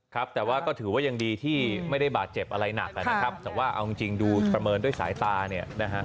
ครับแต่ว่าก็ถือว่ายังดีที่ไม่ได้บาดเจ็บอะไรหนักนะครับแต่ว่าเอาจริงดูประเมินด้วยสายตาเนี่ยนะฮะ